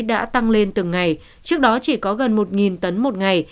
đã tăng lên từng ngày trước đó chỉ có gần một tấn một ngày